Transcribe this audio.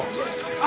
「あ！」